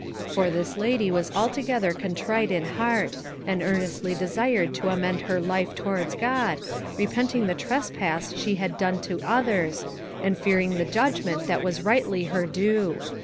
For this lady was altogether contrite in heart, and earnestly desired to amend her life towards God, repenting the trespass she had done to others, and fearing the judgment that was rightly her due.